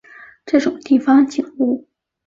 这种地方景物